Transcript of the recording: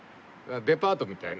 デパートみたいな。